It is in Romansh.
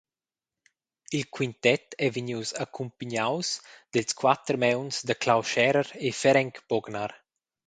Il quintet ei vegnius accumpignaus dils quater mauns da Clau Scherrer e Ferenc Bognar.